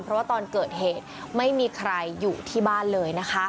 เพราะว่าตอนเกิดเหตุไม่มีใครอยู่ที่บ้านเลยนะคะ